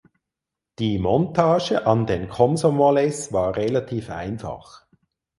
Die Montage an den Komsomolez war relativ einfach.